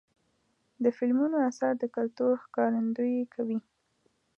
د فلمونو اثار د کلتور ښکارندویي کوي.